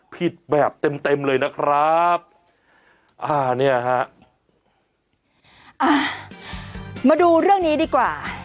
แบบเต็มเต็มเลยนะครับอ่าเนี่ยฮะอ่ามาดูเรื่องนี้ดีกว่า